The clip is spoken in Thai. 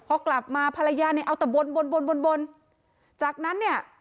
พอกลับมาภรรยาเนี่ยเอาแต่บนวนจากนั้นเนี่ย